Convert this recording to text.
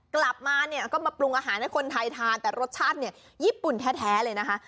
กลับมาเนี่ยก็มาปรุงอาหารให้คนไทยทานแต่รสชาติเนี่ยญี่ปุ่นแท้เลยนะคะ